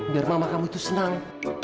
biar mama kamu itu senang